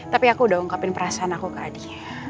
tapi aku udah ungkapin perasaan aku ke adik